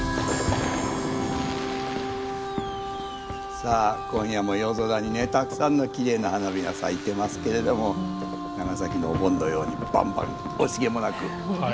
さあ今夜も夜空にねたくさんのきれいな花火が咲いてますけれども長崎のお盆のようにバンバン惜しげもなく打ち上げております。